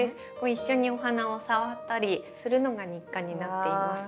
一緒にお花を触ったりするのが日課になっています。